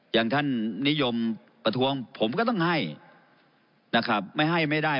อย่างท่านนิยมประท้วงผมก็ต้องให้นะครับไม่ให้ไม่ได้